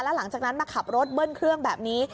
หลังจากนั้นมาขับรถเบิ้ลเครื่องแบบนี้